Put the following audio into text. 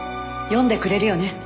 読んでくれるよね？